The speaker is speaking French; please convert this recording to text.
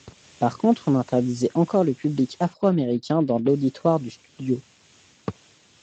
Par contre, on interdisait encore le public afro-américain dans l’auditoire du studio.